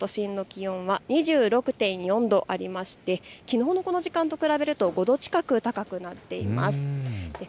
６時半現在の都心の気温は２６．４度ありまして、きょうのこの時間と比べると５度近く高くなっています。